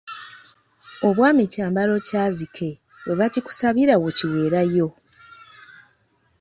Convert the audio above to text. Obwami kyambalo kyazike we bakikusabira w’okiweerayo.